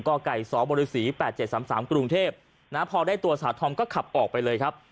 ก่อไก่สองบริษีแปดเจ็ดสามสามกรุงเทพนะฮะพอได้ตัวสาธอมก็ขับออกไปเลยครับ